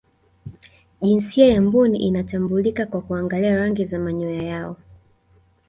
jinsia ya mbuni inatambulika kwa kuangalia rangi za manyoya yao